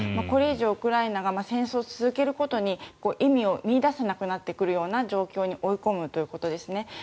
これ以上、ウクライナが戦争を続けることに意味を見いだせなくなってくるような状況に追い込むということですね。